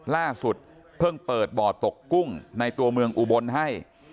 ล่าสุดเพิ่งเปิดบ่อตกกุ้งในตัวเมืองอุบลให้